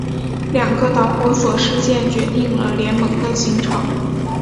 两个导火索事件决定了联盟的形成。